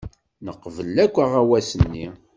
Neqbel akk aɣawas-nni.